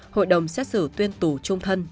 hội đồng xét xử tuyên tù trung thân